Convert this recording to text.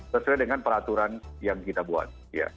sesuai dengan peraturan yang kita buat